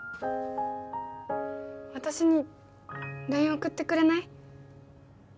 私に ＬＩＮＥ 送ってくれない？